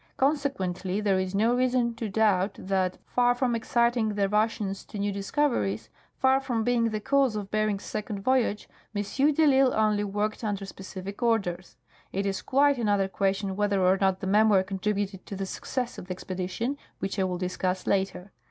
Consequently, there is no reason to doubt that, far from exciting the Eussians to new discoveries, far from being the cause of Bering's second voyage, M. de risle only worked under specific orders. It is quite another question whether or not the memoir contributed to the success of the expedition, which I will discuss later.